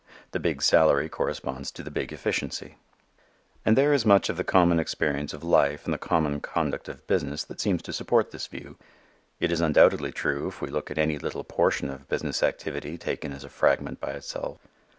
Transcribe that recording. The big salary corresponds to the big efficiency. And there is much in the common experience of life and the common conduct of business that seems to support this view. It is undoubtedly true if we look at any little portion of business activity taken as a fragment by itself.